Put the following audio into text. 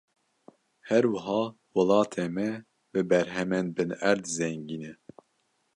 Her wiha welatê me bi berhemên binerd zengîn e.